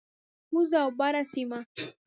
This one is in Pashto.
کوزه او بره سیمه،